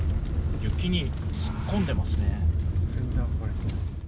雪に突っ込んでますね。